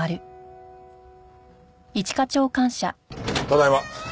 ただいま。